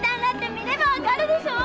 見ればわかるでしょ！